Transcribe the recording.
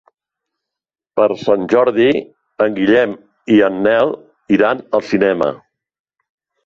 Per Sant Jordi en Guillem i en Nel iran al cinema.